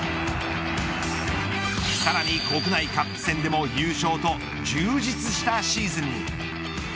さらに国内カップ戦でも優勝と充実したシーズンに。